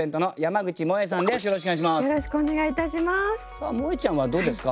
さあもえちゃんはどうですか？